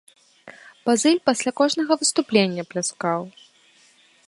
Базыль пасля кожнага выступлення пляскаў.